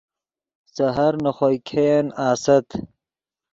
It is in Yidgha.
سحر نے خوئے ګئین آست